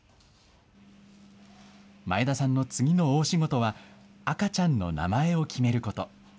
前田さんの次の大仕事は、赤ちゃんの名前を決めること。